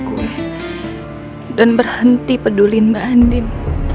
gue dan berhenti peduli mbak andin